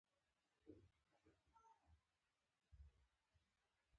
انحصار یا monopoly د بازار یو ډول دی.